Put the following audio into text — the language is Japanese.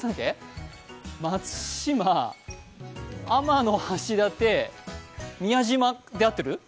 松島、天橋立、宮島で合ってる？